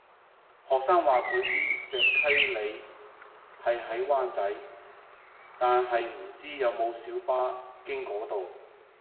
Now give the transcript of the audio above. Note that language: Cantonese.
學生話佢知石溪里係喺灣仔，但係唔知有冇小巴經嗰度